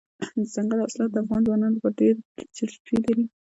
دځنګل حاصلات د افغان ځوانانو لپاره ډېره دلچسپي لري.